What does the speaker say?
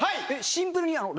シンプルに合う？